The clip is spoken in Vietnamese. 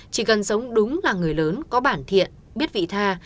chỉ cần sống đúng là người lớn có bản thiện biết vị tha